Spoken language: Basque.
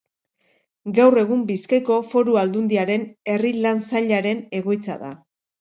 Gaur egun Bizkaiko Foru Aldundiaren Herri Lan Sailaren egoitza da.